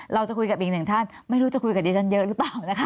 เราจะคุยกับอีกหนึ่งท่านไม่รู้จะคุยกับดิฉันเยอะหรือเปล่านะคะ